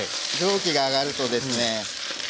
蒸気が上がるとですね